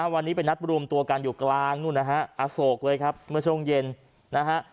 วันนี้ไปนัดบรูมตัวการอยู่กลางนู่นนะครับอสกเลยครับเมื่อช่วงเย็นนะครับ